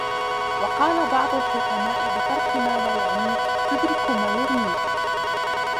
وَقَالَ بَعْضُ الْحُكَمَاءِ بِتَرْكِ مَا لَا يَعْنِيك تُدْرِكُ مَا يُغْنِيك